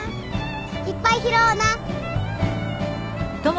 いっぱい拾おうな。